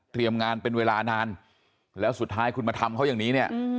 เตรียมงานเป็นเวลานานแล้วสุดท้ายคุณมาทำเขาอย่างนี้